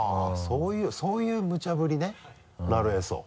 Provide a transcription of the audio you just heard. そういうむちゃぶりねなるへそ。